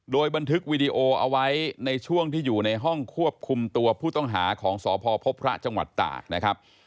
โดยบันทึกวีดีโอเอาไว้ในช่วงที่อยู่ในห้องควบคุมตัวผู้ต้องหาของสพพพระจังหวัดตากนะครับ